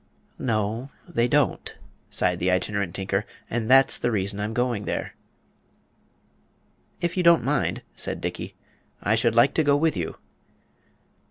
"No, they don't," sighed the Itinerant Tinker; "and that's the reason I'm going there." "If you don't mind," said Dickey, "I should like to go with you."